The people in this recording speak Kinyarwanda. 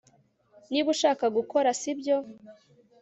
nibyo ushaka gukora, sibyo